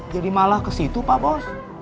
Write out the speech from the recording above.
jadi malah kesitu pak bos